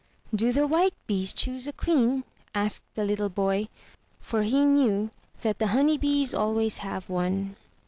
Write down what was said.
"Do the white bees choose a queen?" asked the little boy; for he knew that the honey bees always have one.